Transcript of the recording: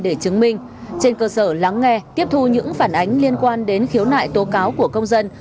để chứng minh trên cơ sở lắng nghe tiếp thu những phản ánh liên quan đến khiếu nại tố cáo của công dân